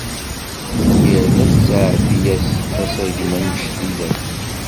Yerna tettɛebbi-as asagem anect-ila-t.